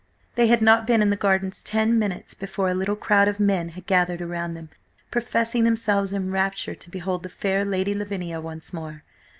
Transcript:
They had not been in the Gardens ten minutes before a little crowd of men had gathered around them, professing themselves enraptured to behold the fair Lady Lavinia once more.